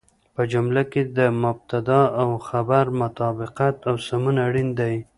په جمله کې د مبتدا او خبر مطابقت او سمون اړين دی.